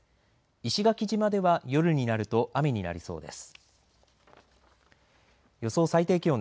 石垣島では夜になると雨になりそうです。